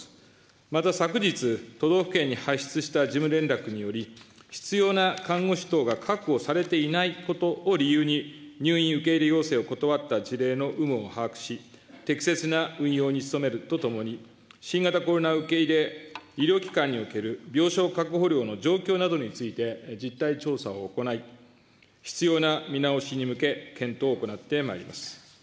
また昨日、都道府県に発出した事務連絡により、必要な看護師等が確保されていないことを理由に、入院受け入れ要請を断った事例の有無を把握し、適切な運用に努めるとともに、新型コロナ受け入れ医療機関における病床確保料の状況などについて、実態調査を行い、必要な見直しに向け、検討を行ってまいります。